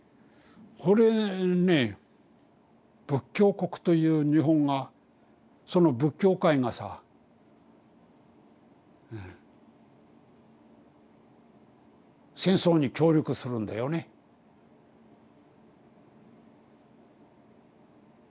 それね仏教国という日本がその仏教界がさ戦争に協力するんだよね率先して。